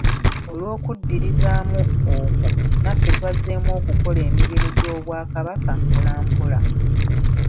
Olw'okuddirizaamu okwo, naffe twazzeemu okukola emirimu gy'obwakabaka mpola mpola.